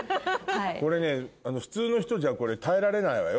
これね普通の人じゃ耐えられないわよこれ。